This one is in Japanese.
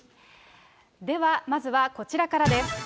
では、まずはこちらからです。